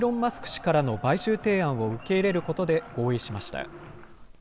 氏からの買収提案を受け入れることで合意しました。